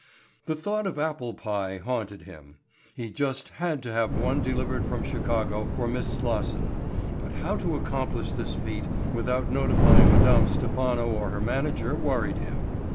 The thought of apple pie haunted him. He just had to have one delivered from Chicago for Miss Slosson, but how to accomplish this feat without notifying Madame Stephano or her manager worried him.